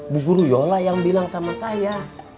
bu guru yola yang bilang sama saya